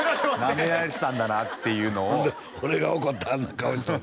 なめられてたんだなっていうのを俺が怒ったらあんな顔しとる